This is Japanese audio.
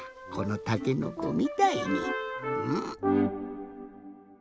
このたけのこみたいに。